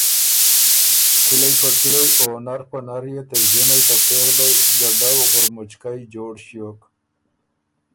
کِلئ په کِلئ او نر په نر يې ته ݫِنړئ ته پېغلئ ګډؤ غُرمُچکئ جوړ ݭیوک۔